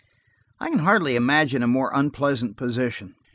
I can hardly imagine a more unpleasant position.